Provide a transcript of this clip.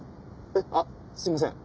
えっあっすいません。